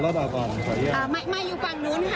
ไม่อยู่ฝั่งนู้นค่ะ